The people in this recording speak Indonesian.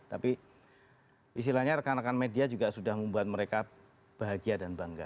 tapi istilahnya rekan rekan media juga sudah membuat mereka bahagia dan bangga